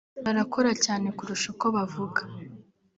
barakora cyane kurusha uko bavuga